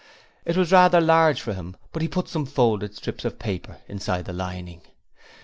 It was rather large for him, but he put some folded strips of paper inside the leather lining.